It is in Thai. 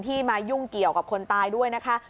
มายุ่งเกี่ยวกับคนตายด้วยนะคะ